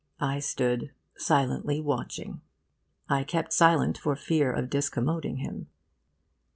I stood silently watching. I kept silent for fear of discommoding him.